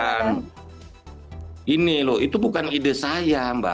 nah ini loh itu bukan ide saya mbak